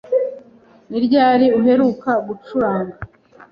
Ni ryari uheruka gucuranga?